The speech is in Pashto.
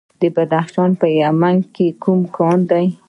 د بدخشان په یمګان کې کوم کان دی؟